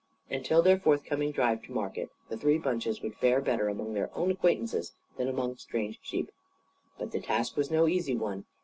Until their forthcoming drive to market, the three bunches would fare better among their own acquaintances than among strange sheep. But the task was no easy one.